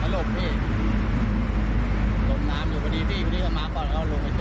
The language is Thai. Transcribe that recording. เขาหลบพี่ลงน้ำอยู่พอดีพี่พอดีเขามาก่อนแล้วเขาลงไว้ช่วย